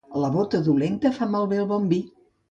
La bota dolenta fa malbé el bon vi.